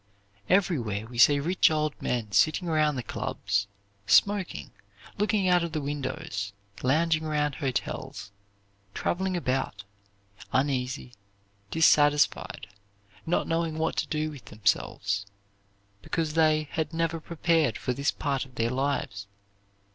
Everywhere we see rich old men sitting around the clubs, smoking, looking out of the windows, lounging around hotels, traveling about, uneasy, dissatisfied, not knowing what to do with themselves, because they had never prepared for this part of their lives.